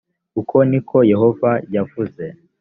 uko ni ko yehova yavuze.